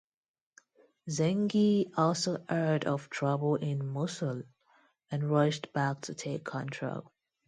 Zengi also heard of trouble in Mosul, and rushed back to take control.